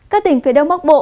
các tỉnh phía đông bắc bộ